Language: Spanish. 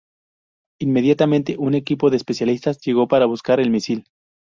Inmediatamente, un equipo de especialistas llegó para buscar el misil.